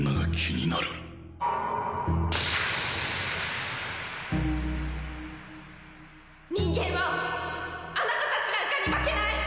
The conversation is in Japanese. ユナ：人間はあなたたちなんかに負けない！